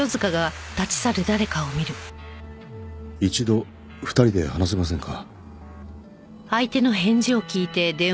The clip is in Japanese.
一度２人で話せませんか？